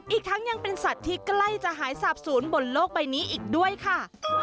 อีกทั้งยังเป็นสัตว์ที่ใกล้จะหายสาบศูนย์บนโลกใบนี้อีกด้วยค่ะ